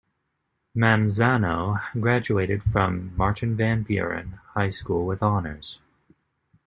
Manzano graduated from Martin Van Buren High School with honors.